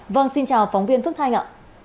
vâng xin chào phóng viên phước thanh ạ